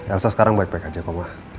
elsa sekarang baik baik aja kok ma